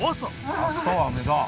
明日は雨だ。